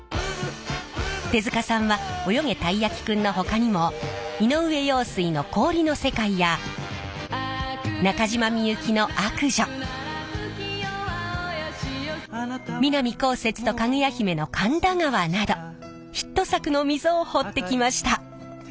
手塚さんは「およげ！たいやきくん」のほかにも井上陽水の「氷の世界」や中島みゆきの「悪女」南こうせつとかぐや姫の「神田川」などヒット作の溝を彫ってきました。